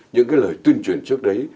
những cái lời tuyên truyền trước đấy